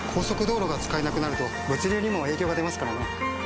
速道路が使えなくなると物流にも影響が出ますからね。